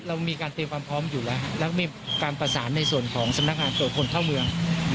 เรามีการเปรี่ยนการค่าพร้อมอยู่แล้วและมีการประสานแบบของสำนักภัยตัวคนเท่าเมือง